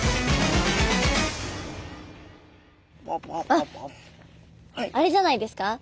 あれじゃないですか？